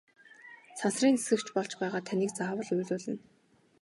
Сансрын нисэгч болж байгаад таныг заавал уйлуулна!